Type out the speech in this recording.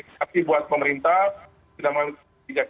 tapi buat pemerintah sudah memiliki kebijakan